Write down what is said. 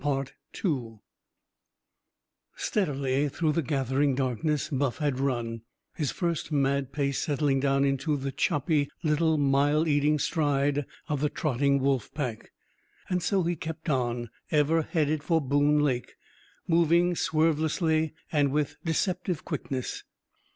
Steadily, through the gathering darkness, Buff had run, his first mad pace settling down into the choppy little mile eating stride of the trotting wolf pack. And so he kept on, ever headed for Boone Lake, moving swervelessly and with deceptive quickness.